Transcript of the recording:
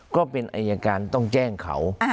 ก็เป็นอายการต้องแจ้งเขา